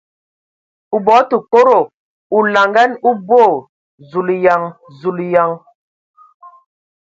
O bɔ tǝ kodo ! O laŋanǝ o boo !... Zulayan ! Zulǝyan!